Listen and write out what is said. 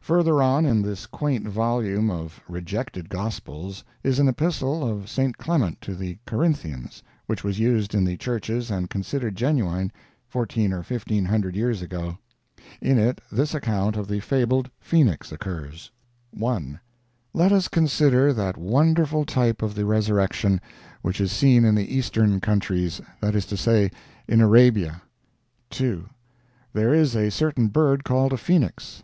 Further on in this quaint volume of rejected gospels is an epistle of St. Clement to the Corinthians, which was used in the churches and considered genuine fourteen or fifteen hundred years ago. In it this account of the fabled phoenix occurs: "1. Let us consider that wonderful type of the resurrection, which is seen in the Eastern countries, that is to say, in Arabia. "2. There is a certain bird called a phoenix.